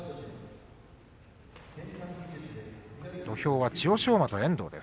土俵は千代翔